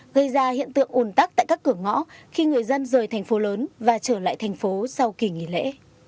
gây ra hiện tượng ồn tắc tại các cửa ngõ khi người dân rời thành phố lớn và trở lại thành phố sau kỳ nghỉ lễ